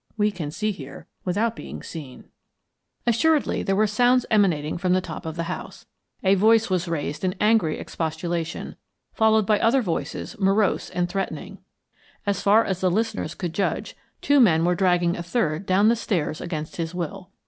We can see here without being seen." Assuredly there were sounds emanating from the top of the house. A voice was raised in angry expostulation, followed by other voices morose and threatening. As far as the listeners could judge, two men were dragging a third down the stairs against his will.